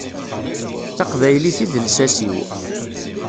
D taqbaylit i d lsas-iw.